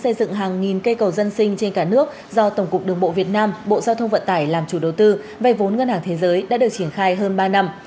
xây dựng hàng nghìn cây cầu dân sinh trên cả nước do tổng cục đường bộ việt nam bộ giao thông vận tải làm chủ đầu tư vay vốn ngân hàng thế giới đã được triển khai hơn ba năm